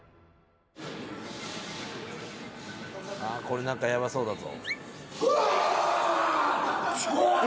これ、なんかやばそうだぞ。